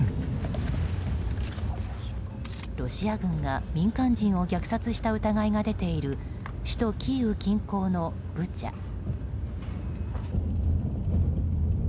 ロシア軍が民間人を虐殺した疑いが出ている首都キーウ近郊のブチャ。